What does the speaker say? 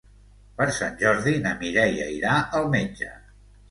Per Sant Jordi na Mireia irà al metge.